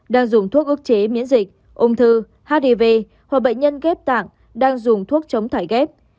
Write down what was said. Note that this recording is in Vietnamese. đang dùng thuốc chế miễn dịch ung thư hiv hoặc bệnh nhân ghép tạng đang dùng thuốc chống thải ghép